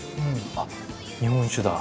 あっ日本酒だ。